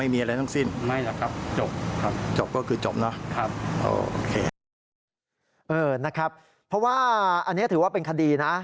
เพราะว่าอันนี้ถือว่าเป็นคดีนะ